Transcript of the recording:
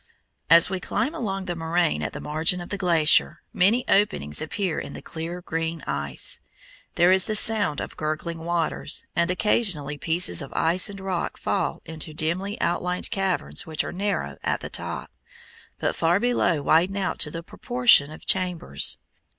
As we climb along the moraine at the margin of the glacier, many openings appear in the clear green ice. There is the sound of gurgling waters, and occasionally pieces of ice and rock fall into dimly outlined caverns which are narrow at the top, but far below widen out to the proportion of chambers.